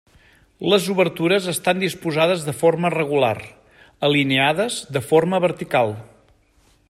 Les obertures estan disposades de forma regular, alineades de forma vertical.